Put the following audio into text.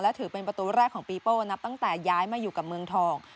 ถือเป็นประตูแรกของปีโป้นับตั้งแต่ย้ายมาอยู่กับเมืองทอง